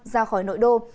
ra khỏi nội đô